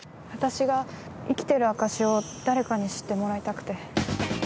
私が生きてる証しを誰かに知ってもらいたくて。